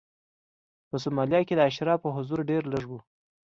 په سومالیا کې د اشرافو حضور ډېر لږ و.